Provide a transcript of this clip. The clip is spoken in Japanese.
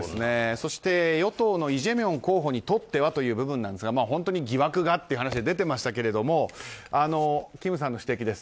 そして与党のイ・ジェミョン候補にとってはという部分ですが本当に疑惑がという話が出ていましたけど金さんの指摘です。